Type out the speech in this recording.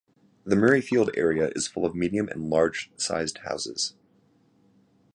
The Murrayfield area is full of medium and large sized houses.